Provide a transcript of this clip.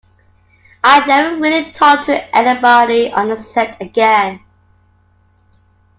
I never really talked to anybody on the set again.